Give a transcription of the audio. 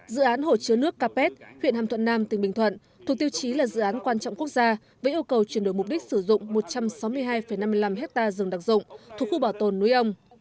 dự án hồ chứa nước capet huyện hàm thuận nam tỉnh bình thuận thuộc tiêu chí là dự án quan trọng quốc gia với yêu cầu chuyển đổi mục đích sử dụng một trăm sáu mươi hai năm mươi năm hectare rừng đặc dụng thuộc khu bảo tồn núi ông